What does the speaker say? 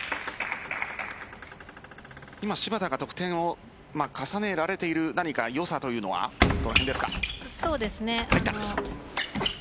今、芝田が得点を重ねられている何か良さというのはどのへんですか。